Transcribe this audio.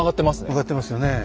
曲がってますよね